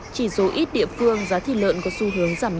chỉ số ít địa phương giá thịt lợn có xu hướng giảm